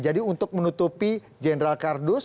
untuk menutupi jenderal kardus